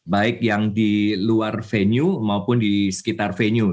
baik yang di luar venue maupun di sekitar venue